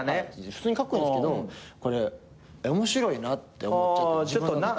普通にカッコイイんですけどこれ面白いなって思っちゃって自分の中で。